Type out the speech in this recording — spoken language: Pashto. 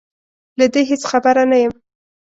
له دې هېڅ خبره نه یم